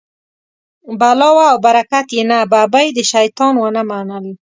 بلا وه او برکت یې نه، ببۍ د شیطان و نه منل.